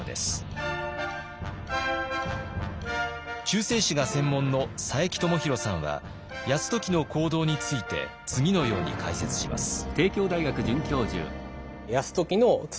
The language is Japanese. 中世史が専門の佐伯智広さんは泰時の行動について次のように解説します。